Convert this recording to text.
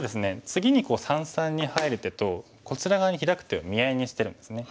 次に三々に入る手とこちら側にヒラく手を見合いにしてるんですね。